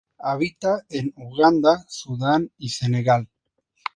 Habita en Uganda, Sudán y Senegal.